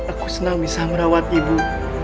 aku senang bisa merawat ibu